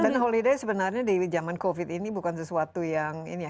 dan holiday sebenarnya di zaman covid ini bukan sesuatu yang ini ya